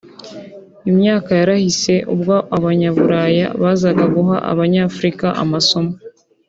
Imyaka yarahise ubwo abanyaburayi bazaga guha abanyafurika amasomo